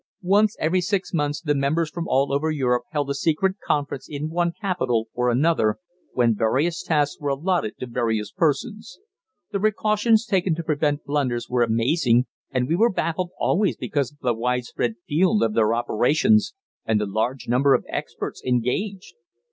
Once every six months the members from all over Europe held a secret conference in one capital or another, when various tasks were allotted to various persons. The precautions taken to prevent blunders were amazing, and we were baffled always because of the widespread field of their operations, and the large number of experts engaged.